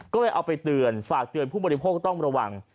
ก็เลยเอาไปเตือนฝากเตือนผู้บริโภคต้องระวัง